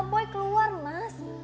sama boy keluar mas